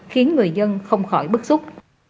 khiến người dân không khỏi bức xúc